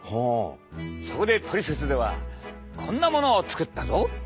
そこでトリセツではこんなものを作ったぞ。